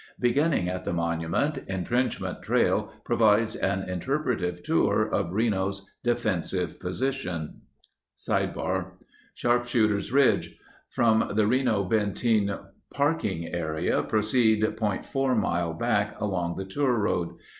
Beginning at the monument, Entrenchment Trail provides an interpretive tour of Reno's defensive positions. O Sharpshooter's Ridge From the Reno Benteen park ing area, proceed 0.4 mile back along the tour road.